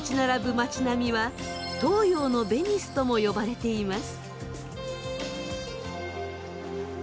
町並みは東洋のベニスとも呼ばれています。